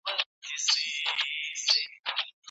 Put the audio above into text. په لاس لیکل د وړو ګامونو ایښودل دي چي لوی منزل ته رسیږي.